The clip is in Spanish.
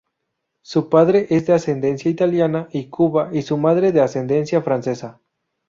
Su padre es de ascendencia italiana y cubana, y su madre de ascendencia francesa.